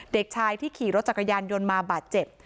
เด็กชายที่ขี่รถจักรยานยนต์มาบาดเจ็บ